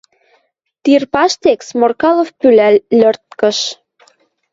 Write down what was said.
Тир паштек Сморкалов пӱлӓ льырткыш.